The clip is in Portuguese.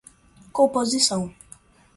composição